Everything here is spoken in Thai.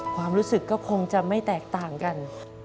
ความรู้สึกก็คงจะไม่แตกต่างกัน